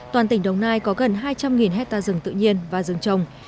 toàn tỉnh đồng nai có gần hai trăm linh hectare rừng tự nhiên và rừng trồng